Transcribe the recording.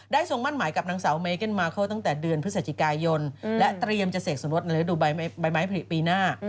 ทรงมั่นหมายกับนางสาวเมเกิ้มาเคิลตั้งแต่เดือนพฤศจิกายนและเตรียมจะเสกสมรสในฤดูใบไม้ผลิปีหน้า